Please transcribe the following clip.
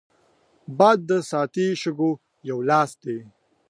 باد د ساعتي شګو یو لاس دی